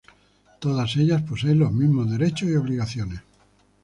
Todas ellas poseen los mismos derechos y obligaciones.